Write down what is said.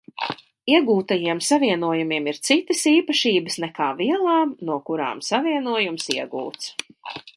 Iegūtajiem savienojumiem ir citas īpašības nekā vielām, no kurām savienojums iegūts.